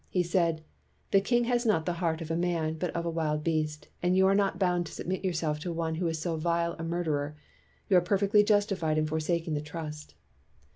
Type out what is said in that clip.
He said, '' The king has not the heart of a man, but of a wild beast, and you are not bound to submit yourself to one who is so vile a murderer. You are perfectly justified in forsaking the trust."